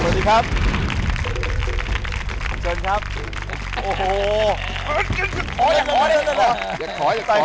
สวัสดีครับขอบคุณครับโอ้โหยังขอ